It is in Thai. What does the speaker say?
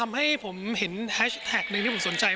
ชื่อพันธุ์ว่าทำบุญด้วยอะไร